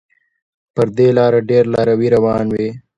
پر دې لاره ډېر لاروي روان وي.